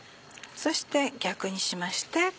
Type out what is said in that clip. そして逆にしまして。